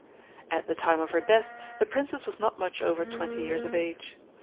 At the time of her death the princess was not much over twenty years of age.